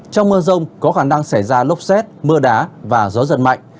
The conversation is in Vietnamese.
trong mưa rông có khả năng xảy ra lốc xét mưa đá và gió giật mạnh